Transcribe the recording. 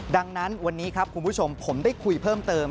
ดังนั้นวันนี้ครับผมได้คุยเพิ่มเติม